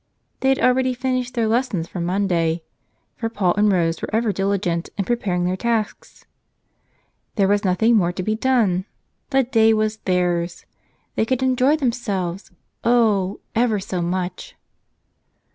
They had already finished their lessons for Monday — for Paul and Rose were ever diligent in pre¬ paring their tasks. There was nothing more to be done. The day was theirs. They could enjoy them¬ selves, oh! ever so much.